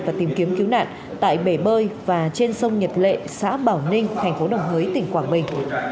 và tìm kiếm cứu nạn tại bể bơi và trên sông nhật lệ xã bảo ninh thành phố đồng hới tỉnh quảng bình